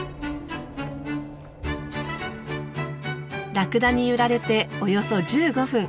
ラクダに揺られておよそ１５分。